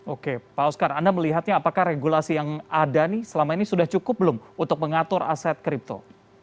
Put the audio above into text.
oke pak oscar anda melihatnya apakah regulasi yang ada nih selama ini sudah cukup belum untuk mengatur aset kripto